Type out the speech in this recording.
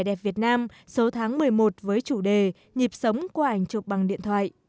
đẹp việt nam số tháng một mươi một với chủ đề nhịp sống qua ảnh chụp bằng điện thoại